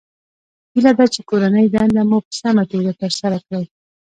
هیله ده چې کورنۍ دنده مو په سمه توګه ترسره کړئ